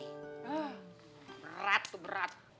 hah berat tuh berat